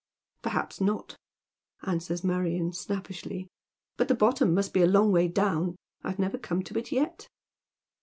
'• Perhaps not," answers Marion, snappishly, " but the ^ttoon must be a long way down. I've never come to it yet."